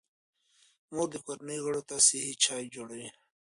مور د کورنۍ غړو ته صحي چای جوړوي.